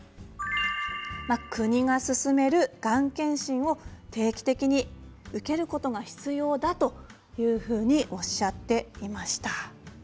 国がすすめるがん検診を定期的に受けることが必要だとおっしゃっていました。